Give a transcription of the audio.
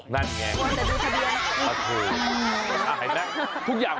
นั่นแหง